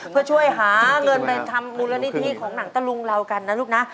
เพื่อช่วยหาเงินไปทำมูลนิธิของหนังตะลุงเรากันนะลูกนะ